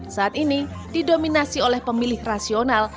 saat ini didominasi oleh pemilih rasional